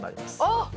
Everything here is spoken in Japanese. あっ！